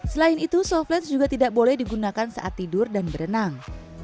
selain itu softles juga tidak boleh digunakan saat tidur dan berenang